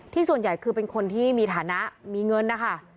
ส่วนใหญ่คือเป็นคนที่มีฐานะมีเงินนะคะ